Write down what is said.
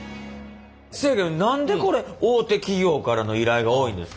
せやけど何でこれ大手企業からの依頼が多いんですか？